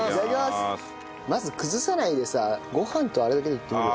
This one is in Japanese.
まず崩さないでさご飯とあれだけでいってみる。